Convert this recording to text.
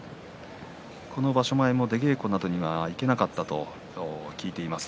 この場所前も出稽古などには行けなかったと聞いています。